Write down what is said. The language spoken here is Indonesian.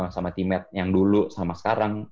sama teammate yang dulu sama sekarang